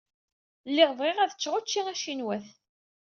Lliɣ bɣiɣ ad ččeɣ učči acinwat.